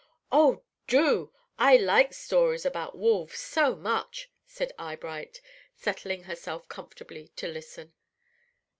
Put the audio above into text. "Oh, do! I like stories about wolves so much," said Eyebright, settling herself comfortably to listen.